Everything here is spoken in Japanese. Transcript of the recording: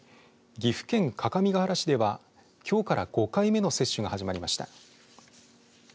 岐阜県各務原市ではきょうから５回目の接種が始まりました。